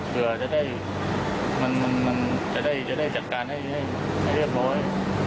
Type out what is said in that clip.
เจอจะได้จะได้จะได้จัดการให้ให้เรียบร้อย